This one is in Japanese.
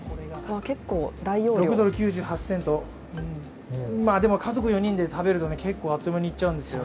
６ドル９８セント、家族４人で食べると結構あっという間にいっちゃうんですよ。